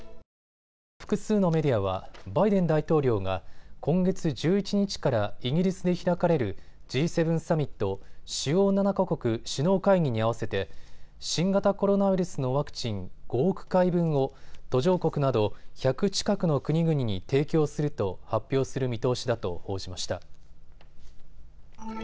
アメリカの複数のメディアはバイデン大統領が今月１１日からイギリスで開かれるＧ７サミット・主要７か国首脳会議に合わせて新型コロナウイルスのワクチン５億回分を途上国など１００近くの国々に提供すると発表する見通しだと報じました。